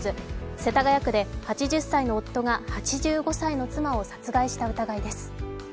世田谷区で８０歳の夫が８５歳の妻を殺害した疑いです。